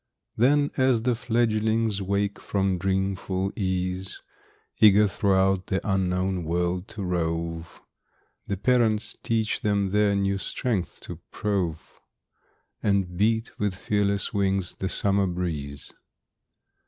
Then, as the fledgelings wake from dreamful ease, Eager throughout the unknown world to rove, The parents teach them their new strength to prove, And beat with fearless wings the summer breeze.